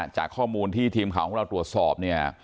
จากข้อมูลที่ทีมข่าวของเราตรวจสอบเนี่ย